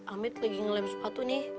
amit lagi ngelem sepatu nih